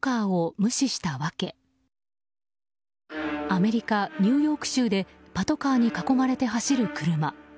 アメリカ・ニューヨーク州でパトカーに囲まれて走る車。